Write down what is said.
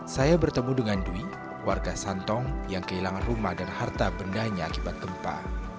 saya bertemu dengan dwi warga santong yang kehilangan rumah dan harta bendanya akibat gempa